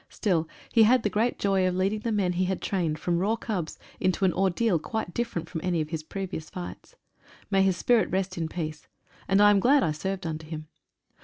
Still, he had the great joy of leading the men he had trained from raw cubs into an ordeal quite different from any of his previous fights. May his spirit rest in peace, and I am glad I served under him.